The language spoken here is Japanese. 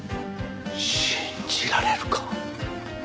信じられるか？